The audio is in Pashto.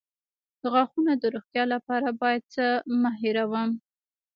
د غاښونو د روغتیا لپاره باید څه مه هیروم؟